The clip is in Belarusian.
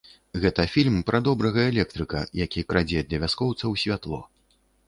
Гэта фільм пра добрага электрыка, які крадзе для вяскоўцаў святло.